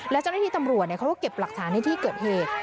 และเจ้าหน้าที่ตำรวจเขาก็เก็บหลักฐานในที่เกิดเหตุ